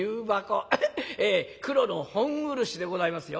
黒の本漆でございますよ。